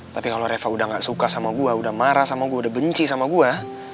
tapi kalau reva udah gak suka sama gue udah marah sama gue udah benci sama gue